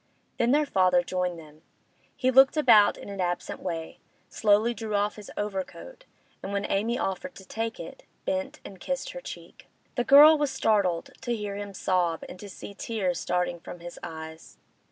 Then their father joined them. He looked about in an absent way, slowly drew off his overcoat, and when Amy offered to take it, bent and kissed her cheek. The girl was startled to hear him sob and to see tears starting from his eyes.